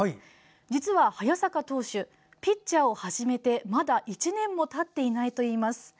実は、早坂投手ピッチャーを始めてまだ１年もたっていないといいます。